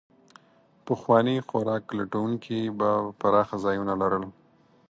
پخواني خوراک لټونکي به پراخه ځایونه لرل.